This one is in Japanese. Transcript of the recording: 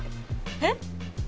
えっ！